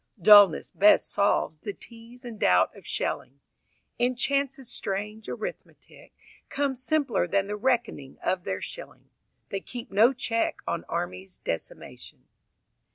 Dullness best solves The tease and doubt of shelling, And Chance's strange arithmetic Comes simpler than the reckoning of their shilling. They keep no check on Armies' decimation.